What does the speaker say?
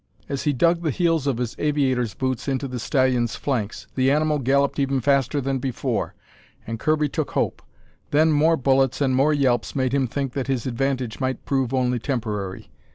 As he dug the heels of his aviator's boots into the stallion's flanks, the animal galloped even faster than before, and Kirby took hope. Then more bullets and more yelps made him think that his advantage might prove only temporary.